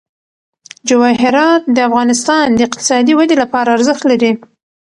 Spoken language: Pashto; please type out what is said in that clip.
جواهرات د افغانستان د اقتصادي ودې لپاره ارزښت لري.